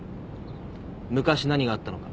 昔何があったのか。